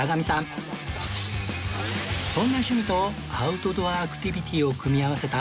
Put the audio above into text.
そんな趣味とアウトドア・アクティビティを組み合わせたまさに大人の川遊び！